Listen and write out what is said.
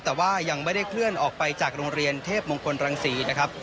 แต่ว่ายังไม่ได้เคลื่อนออกไปจากโรงเรียนเทพมงคลรังศรีนะครับ